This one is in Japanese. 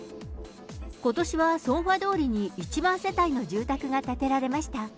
ことしはソンファ通りに１万世帯の住宅が建てられました。